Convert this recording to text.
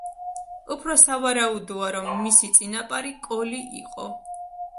უფრო სავარაუდოა, რომ მისი წინაპარი კოლი იყო.